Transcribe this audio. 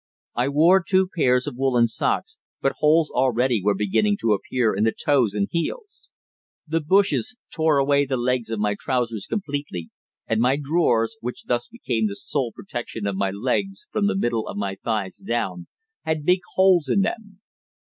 I wore two pairs of woollen socks, but holes already were beginning to appear in the toes and heels. The bushes tore away the legs of my trousers completely, and my drawers, which thus became the sole protection of my legs from the middle of my thighs down, had big holes in them.